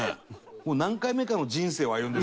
もう何回目かの人生を歩んでる。